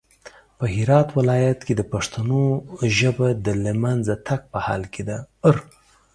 په هرات ولايت کې د پښتنو ژبه د لمېنځه تګ په حال کې ده